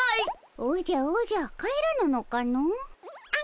おじゃおじゃ帰らぬのかの。